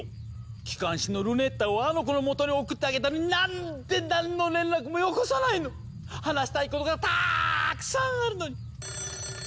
機関士のルネッタをあの子のもとに送ってあげたのになんで何の連絡もよこさないの⁉話したいことがたくさんあるのに！